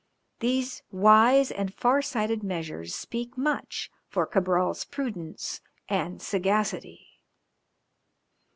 These wise and far sighted measures speak much for Cabral's prudence and sagacity.